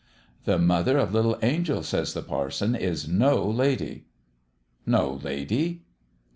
"' The mother o' little Angel,' says the parson, * is no lady.' "' No lady